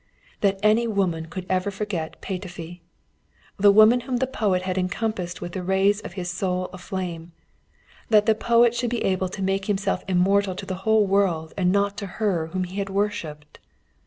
That any woman could ever forget Petöfi! The woman whom the poet had encompassed with the rays of his soul of flame! That the poet should be able to make himself immortal to the whole world and not to her whom he had worshipped!